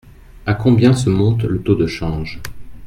À combien se monte le taux de change ?